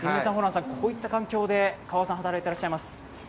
こういった環境で川和さん働いていらっしゃいます。